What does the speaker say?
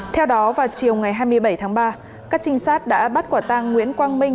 theo đó vào chiều ngày hai mươi bảy tháng ba các trinh sát đã bắt quả tang nguyễn quang minh